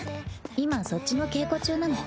今そっちの稽古中なの。